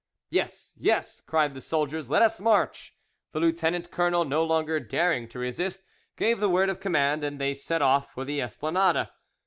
"Yes, yes," cried the soldiers; "let us march" The lieutenant colonel no longer daring to resist, gave the word of command, and they set off for the Esplanade.